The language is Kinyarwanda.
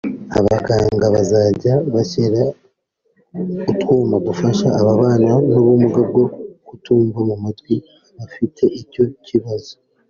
abaganga bazajya bashyira utwuma dufasha ababana n’ubumuga bwo kutumva mu matwi abafite icyo kibazo